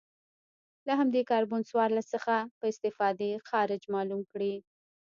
له همدې کاربن څوارلس څخه په استفادې تاریخ معلوم کړي